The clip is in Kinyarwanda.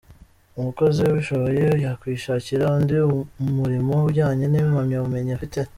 Umukozi abishoboye yakwishakira undi murimo ujyanye n’impamyabumenyi afite.